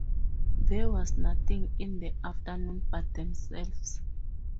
There was nothing in the afternoon but themselves.